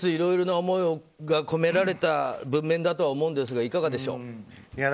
いろんな思いが込められた文面だと思うんですがいかがでしょう。